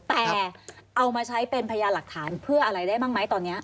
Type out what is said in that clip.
แต่เอามาใช้เป็นพยานหลักฐานเพื่ออะไรได้บ้างไหมตอนนี้